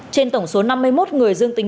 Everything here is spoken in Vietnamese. trên tổng số năm mươi một người dương tính